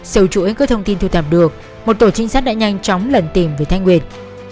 sự chủ yếu các thông tin thu tạp được một tổ trinh sát đã nhanh chóng lần tìm về thái nguyên